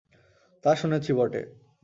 তা শুনেছি বটে।